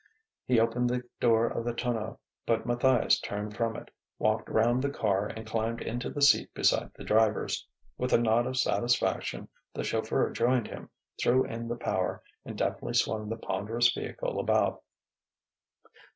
He opened the door of the tonneau, but Matthias turned from it, walked round the car, and climbed into the seat beside the driver's. With a nod of satisfaction, the chauffeur joined him, threw in the power, and deftly swung the ponderous vehicle about.